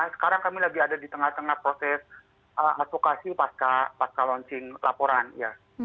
sekarang kami lagi ada di tengah tengah proses advokasi pasca launching laporan ya